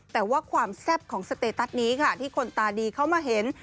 แต่ว่าความแซ่บของสเตตัสนี้ค่ะที่คนตาดีเข้ามาเห็น